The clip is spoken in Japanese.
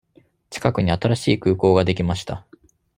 近くに新しい空港ができました。